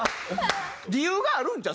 理由があるんちゃう？